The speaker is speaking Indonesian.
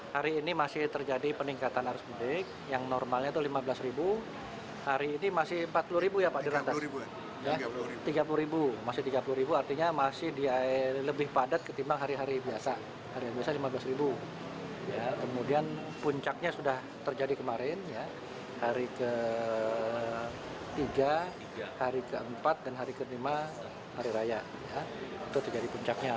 hari raya itu jadi puncaknya